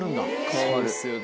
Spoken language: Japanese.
そうですよね。